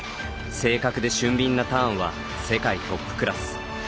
正確で俊敏なターンは世界トップクラス。